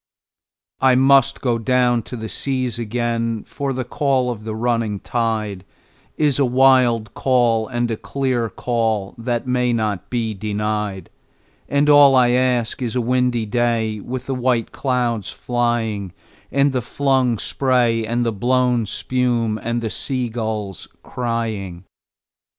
I must down go to the seas again, for the call of the running tide Is a wild call and a clear call that may not be denied; And all I ask is a windy day with the white clouds flying, And the flung spray and the blown spume, and the sea gulls crying.